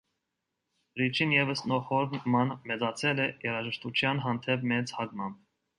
Ռիչին ևս հոր նման մեծացել է երաժշտության հանդեպ մեծ հակմամբ։